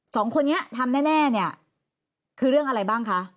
สองคนนี้ทำแน่เนี่ยคือเรื่องอะไรบ้างคะ